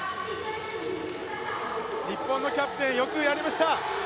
日本のキャプテンよくやりました。